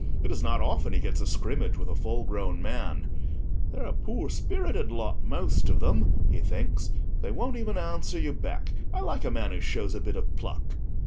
It is not often he gets a scrimmage with a full grown man. "They're a poor spirited lot, most of them," he thinks; "they won't even answer you back. I like a man who shows a bit of pluck."